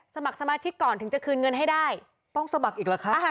สมัครสมาชิกก่อนถึงจะคืนเงินให้ได้ต้องสมัครอีกเหรอคะ